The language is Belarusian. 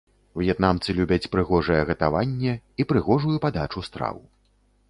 В'етнамцы любяць прыгожае гатаванне і прыгожую падачу страў.